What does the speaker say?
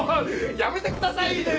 やめてくださいね！